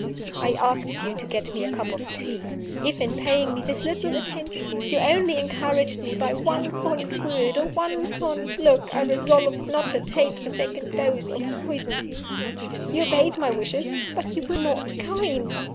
I asked you to get me a cup of tea. If, in paying me this little attention, you only encouraged me by one fond word or one fond look, I resolved not to take the second dose of poison. "You obeyed my wishes, but you were not kind.